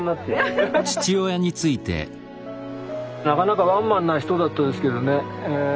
なかなかワンマンな人だったですけどね